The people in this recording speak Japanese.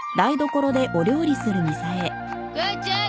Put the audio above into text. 母ちゃん。